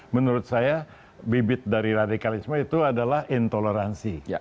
menurut saya bibit dari radikalisme itu adalah intoleransi